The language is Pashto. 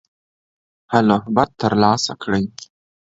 هعلْهبت تر لاسَ کړئ.